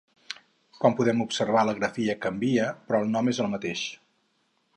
Com podem observar la grafia canvia, però el nom és el mateix.